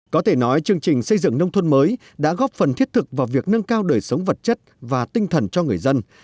có thể nói chương trình xây dựng nông thôn mới đã góp phần thiết thực vào việc nâng cao đời sống vật chất và tinh thần cho người dân